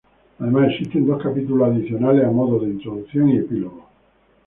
Además existen dos capítulos adicionales a modo de introducción y epílogo.